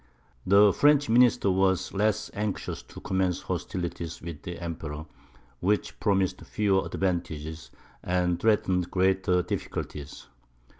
The French minister was less anxious to commence hostilities with the Emperor, which promised fewer advantages, and threatened greater difficulties.